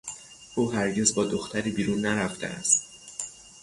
او هرگز با دختری بیرون نرفته است.